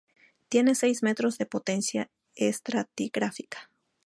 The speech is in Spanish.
Tiene seis metros de potencia estratigráfica.